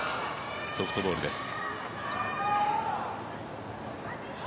ソフトボールです。